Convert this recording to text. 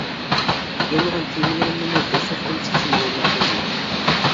يوللىغان تېمىلىرىمنىمۇ بوش ۋاقتىم چىقسىلا يوللاپ قويىمەن.